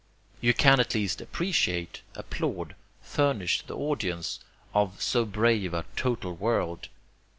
You can at least appreciate, applaud, furnish the audience, of so brave a total world.